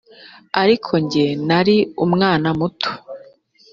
ariko jye nari umwana muto .